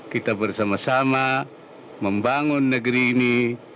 kita bersama sama membangun negeri ini